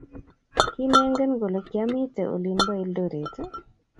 Kimengen kole kyamite olin bo Eldoret?